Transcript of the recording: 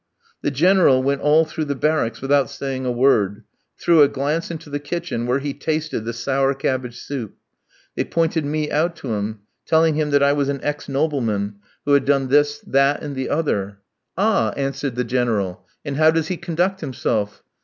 The General went all through the barracks without saying a word, threw a glance into the kitchen, where he tasted the sour cabbage soup. They pointed me out to him, telling him that I was an ex nobleman, who had done this, that, and the other. "Ah!" answered the General. "And how does he conduct himself?"